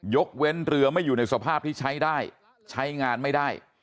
ยกเว้นเรือไม่อยู่ในสภาพที่ใช้ได้ใช้งานไม่ได้